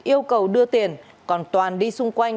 yêu cầu đưa tiền còn toàn đi xung quanh